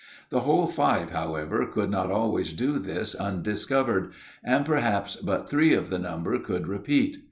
The whole five, however, could not always do this undiscovered, and perhaps but three of the number could repeat.